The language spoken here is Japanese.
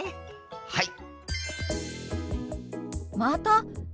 はい！